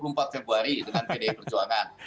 dengan pde perjuangan